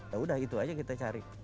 ya udah itu aja kita cari